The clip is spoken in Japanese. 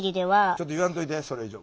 ちょっと言わんといてそれ以上。